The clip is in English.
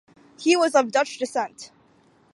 He was of Dutch descent.